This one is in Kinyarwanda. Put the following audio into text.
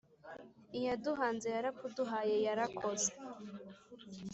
Iyaduhanze yarakuduhaye yarakoze